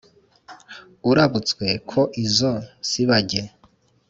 Urabutswe ko izo nsibage